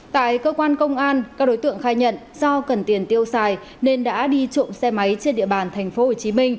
tại cơ quan công an các đối tượng khai nhận do cần tiền tiêu xài nên đã đi trộm xe máy trên địa bàn tp hcm